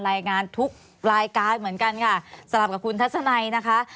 รายงานทุกรายการเหมือนกันค่ะสำหรับกับคุณทัศนัยนะคะ